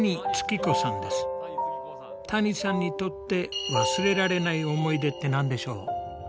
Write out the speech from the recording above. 谷さんにとって忘れられない思い出って何でしょう？